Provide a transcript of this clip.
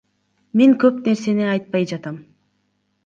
Мен көп нерсени айтпай жатам.